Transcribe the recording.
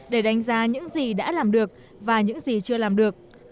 để đánh giá những gì đã làm được và những gì chưa làm được